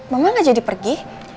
mama gak jadi pergi